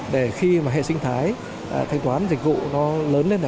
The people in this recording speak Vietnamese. để khi hệ sinh thái thanh toán dịch vụ lớn lên